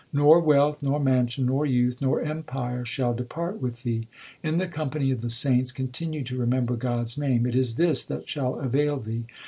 Nor wealth, nor mansion, nor youth, nor empire shall depart with thee. In the company of the saints continue to remember God s name ; it is this that shall avail thee.